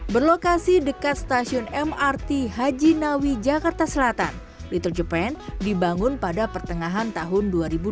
berlokasi dekat stasiun mrt haji nawi jakarta selatan little japan dibangun pada pertengahan tahun dua ribu dua puluh